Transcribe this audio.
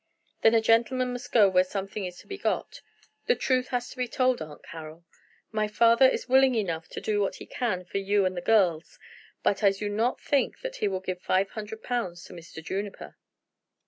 "Then a gentleman must go where something is to be got. The truth has to be told, Aunt Carroll. My father is willing enough to do what he can for you and the girls, but I do not think that he will give five hundred pounds to Mr. Juniper."